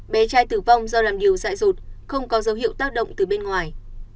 bé trai tử vong do làm điều dại rụt không có dấu hiệu tác động từ bên ngoài